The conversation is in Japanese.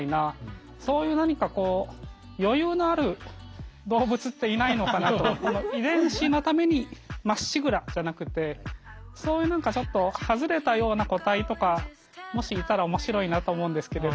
だけどちょっとどうかなと思ったのはみたいなそういう何かこう遺伝子のためにまっしぐらじゃなくてそういう何かちょっと外れたような個体とかもしいたら面白いなと思うんですけれど。